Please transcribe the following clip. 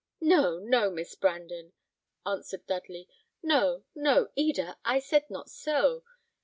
"No, no, Miss Brandon!" answered Dudley; "no, no, Eda! I said not so.